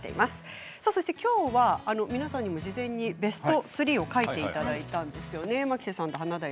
今日は皆さんにも事前にベスト３を書いていただいたんですよね。